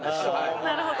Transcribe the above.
なるほど。